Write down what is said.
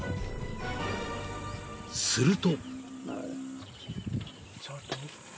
［すると］